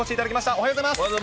おはようございます。